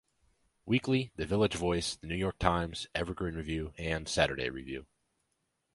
Weekly", "The Village Voice", "The New York Times", "Evergreen Review" and "Saturday Review".